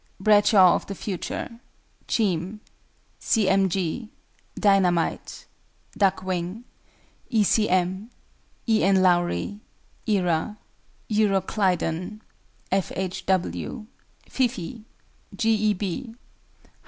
BRADSHAW OF THE FUTURE. CHEAM. C. M. G. DINAH MITE. DUCKWING. E. C. M. E. N. Lowry. ERA. EUROCLYDON. F. H. W. FIFEE. G. E.